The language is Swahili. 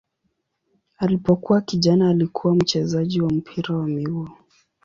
Alipokuwa kijana alikuwa mchezaji wa mpira wa miguu.